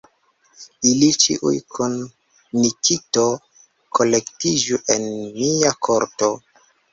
Ili ĉiuj kun Nikito kolektiĝu en mia korto.